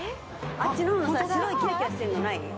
あっちの方のさ白いキラキラしてるのない？